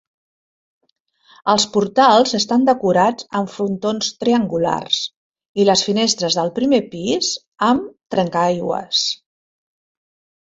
Els portals estan decorats amb frontons triangulars i les finestres del primer pis amb trencaaigües.